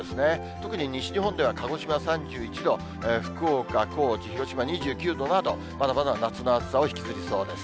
特に西日本では、鹿児島３１度、福岡、高知、広島２９度など、まだまだ夏の暑さをひきずりそうです。